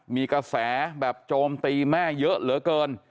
มีกระแสแบบโจมตีแม่เยอะเหลือเกิน